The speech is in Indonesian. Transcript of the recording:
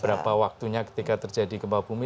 berapa banyak minyak ketika terjadi kebawah bumi